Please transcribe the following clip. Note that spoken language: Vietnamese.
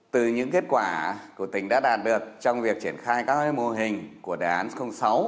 từ những kết quả của tỉnh đã đạt được trong việc triển khai các mô hình của đề án sáu